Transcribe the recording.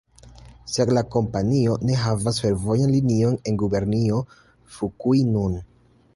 Sed la kompanio ne havas fervojan linion en Gubernio Fukui nun.